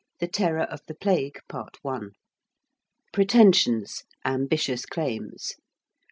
THE TERROR OF THE PLAGUE. PART I. ~Pretensions~: ambitious claims.